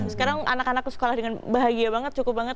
sekarang anak anak sekolah dengan bahagia banget cukup banget